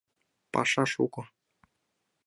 Паша шуко.